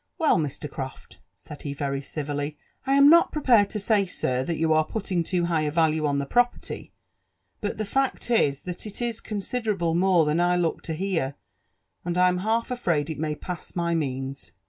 ••Well, Mr. Croft," said he very civilly, •• I am not prepared tosay, sir, that you are putting too high a value on the properly ; but Ihe fact is, that it is considerable more than I looked to hear, and Tm half afraid it may pass my means.